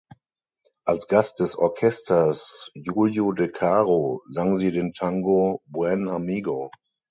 Als Gast des Orchesters Julio De Caro sang sie den Tango "Buen amigo".